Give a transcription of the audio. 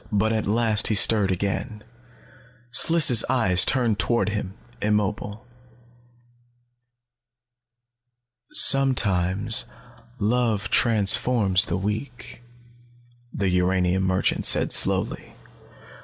But at last he stirred again. Sliss' eyes turned toward him, immobile. "Sometimes love transforms the weak," the uranium merchant said slowly.